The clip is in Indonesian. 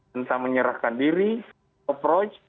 tentang menyerahkan diri approach